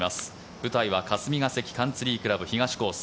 舞台は霞ヶ関カンツリー倶楽部東コース。